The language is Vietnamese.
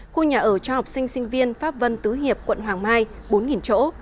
khu nhà ở cho học sinh sinh viên pháp vân tứ hiệp quận hoàng mai bốn chỗ